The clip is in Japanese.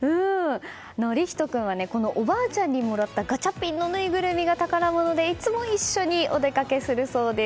理仁君はおばあちゃんにもらったガチャピンのぬいぐるみが宝物で、いつも一緒にお出かけするそうです。